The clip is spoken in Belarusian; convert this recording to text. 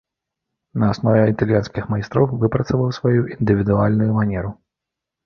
На аснове італьянскіх майстроў выпрацаваў сваю індывідуальную манеру.